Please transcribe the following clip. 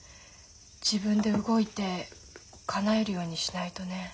自分で動いてかなえるようにしないとね。